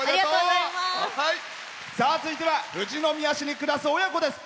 続いては富士宮市に暮らす親子です。